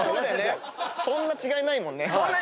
そんな違いないもんね。